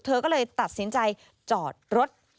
เธอก็เลยตัดสินใจจอดรถ